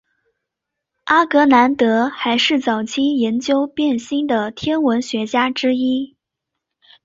阿格兰德还是早期研究变星的天文学家之一。